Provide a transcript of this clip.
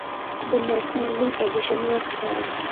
The next morning Edison was fired.